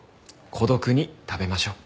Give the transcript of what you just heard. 孤独に食べましょう。